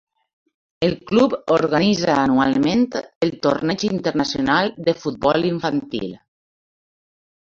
El club organitza anualment el Torneig Internacional de Futbol Infantil.